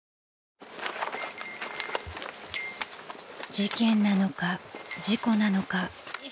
［事件なのか事故なのか］